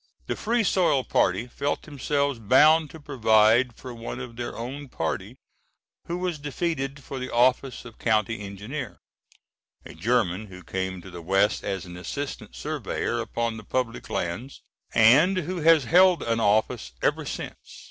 The Free Soil party felt themselves bound to provide for one of their own party who was defeated for the office of County Engineer; a German who came to the West as an assistant surveyor upon the public lands, and who has held an office ever since.